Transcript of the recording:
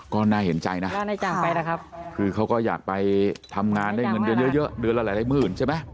ก็น่าเห็นใจนะคือเขาก็อยากไปทำงานได้เงินเดือนเยอะเยอะเดือนละหลายหมื่นใช่ไหม